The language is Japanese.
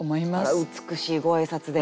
あら美しいご挨拶で。